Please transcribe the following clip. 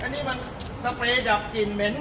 นี่มันตำแกะดับกลิ่นเหม็น